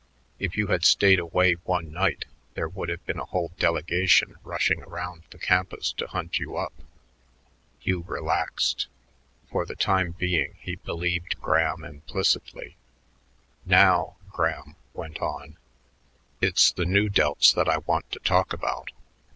If you had stayed away one night, there would have been a whole delegation rushing around the campus to hunt you up." Hugh relaxed. For the time being he believed Graham implicitly. "Now," Graham went on, "it's the Nu Delts that I want to talk about.